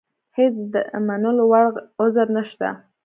هېڅ د منلو وړ عذر نشته.